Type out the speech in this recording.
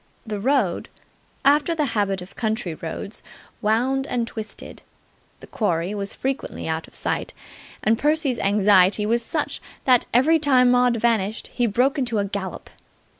The road, after the habit of country roads, wound and twisted. The quarry was frequently out of sight. And Percy's anxiety was such that, every time Maud vanished, he broke into a gallop.